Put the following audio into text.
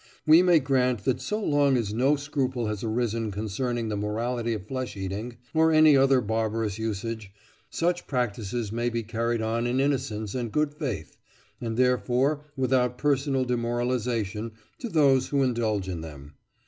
We may grant that so long as no scruple has arisen concerning the morality of flesh eating, or any other barbarous usage, such practices may be carried on in innocence and good faith, and therefore without personal demoralisation to those who indulge in them.